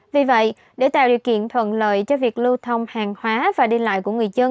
vì vậy để tạo điều kiện thuận lợi cho việc lưu thông hàng hóa và đi lại của người dân